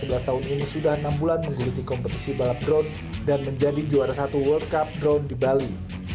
sebelas tahun ini sudah enam bulan mengguliti kompetisi balap drone dan menjadi juara satu world cup drone di bali